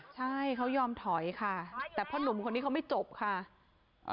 ใช่เขายอมถอยค่ะแต่พ่อหนุ่มคนนี้เขาไม่จบค่ะ